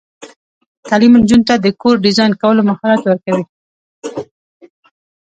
تعلیم نجونو ته د کور ډیزاین کولو مهارت ورکوي.